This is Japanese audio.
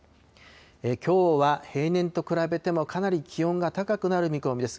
きょうは平年と比べてもかなり気温が高くなる見込みです。